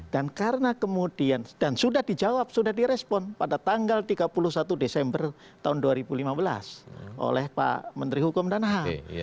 dan karena kemudian dan sudah dijawab sudah direspon pada tanggal tiga puluh satu desember dua ribu lima belas oleh pak menteri hukum dan ham